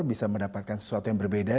bisa mendapatkan sesuatu yang berbeda